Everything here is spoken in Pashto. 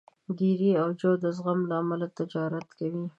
ګېري او جو د زغم له امله تجارت کوي.